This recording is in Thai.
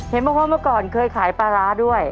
เห็นบอกว่าเมื่อก่อนเคยขายปลาร้าด้วย